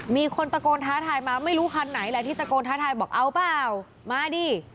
มีคนตะโกนท้าทายมาไม่รู้คันไหนแหละที่ตะโกนท้าทายบอกเอาเปล่ามาดิ